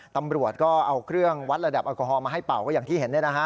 ตำรวจก็เอาเครื่องวัดระดับแอลกอฮอลมาให้เป่าก็อย่างที่เห็น